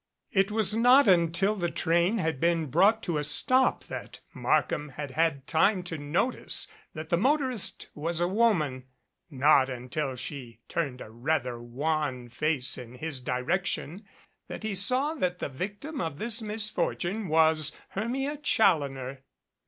It was not until the train had been brought to a stop that Markham had had time to notice that the motorist was a woman not until she turned a rather wan face in his direction that he saw that the victim of this misfor tune was Hermia Challoner.